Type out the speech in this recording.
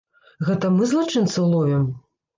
Гэта мы злачынцаў ловім?